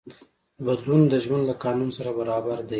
بدلون د ژوند له قانون سره برابر دی.